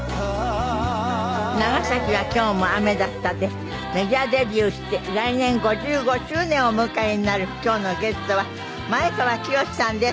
『長崎は今日も雨だった』でメジャーデビューして来年５５周年をお迎えになる今日のゲストは前川清さんです。